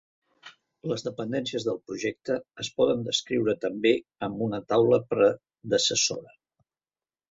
Les dependències del projecte es poden descriure també amb una taula predecessora.